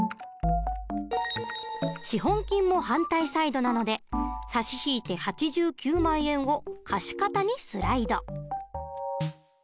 資本金も反対サイドなので差し引いて８９万円を貸方にスライド。